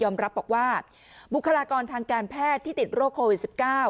มุขลากรทางการแพทย์ที่ติดโรคโควิด๑๙